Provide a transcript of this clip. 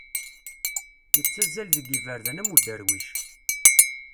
Yettazzal deg yiberdan am uderwic.